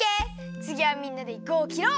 つぎはみんなでぐをきろう！